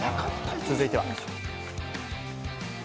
続いては。